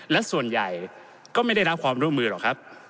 และส่วนใหญ่ก็ไม่ได้รับความร่วมมือหรอกครับ